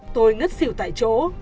tôi ngất xỉu tại chỗ